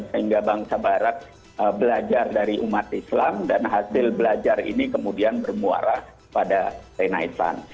sehingga bangsa barat belajar dari umat islam dan hasil belajar ini kemudian bermuara pada renaissan